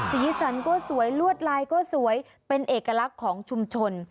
สีสันก็สวยลวดลายก็สวยเป็นเอกลักษณ์ของชุมชน